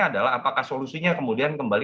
adalah apakah solusinya kemudian kembali